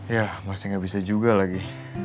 ya masih gak bisa juga lagi